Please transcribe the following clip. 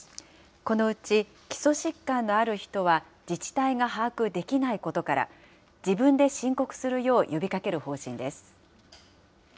このうち基礎疾患のある人は自治体が把握できないことから、自分で申告するよう呼びかける方針です。